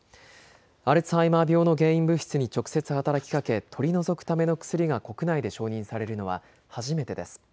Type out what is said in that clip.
アルツハイマー病の原因物質に直接働きかけ取り除くための薬が国内で承認されるのは初めてです。